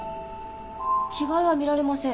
違いは見られません。